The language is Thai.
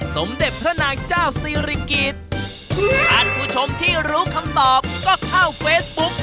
สมเด็จพระนางเจ้าซีริกิจท่านผู้ชมที่รู้คำตอบก็เข้าเฟซบุ๊ก